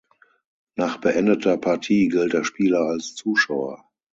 Nach beendeter Partie gilt der Spieler als Zuschauer.